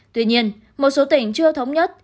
tuy nhiên một số tỉnh chưa thống nhất